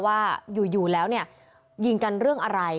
ว่าอยู่แล้วเนี่ยยิงกันเรื่องอะไร